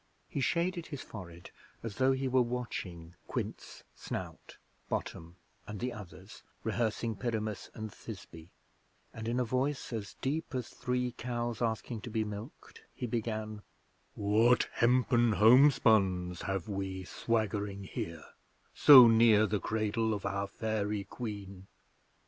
He shaded his forehead as though he were watching Quince, Snout, Bottom, and the others rehearsing Pyramus and Thisbe, and, in a voice as deep as Three Cows asking to be milked, he began: 'What hempen homespuns have we swaggering here, So near the cradle of our fairy Queen?'